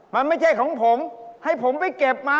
มันไม่ใช่ของผมให้ผมไปเก็บมา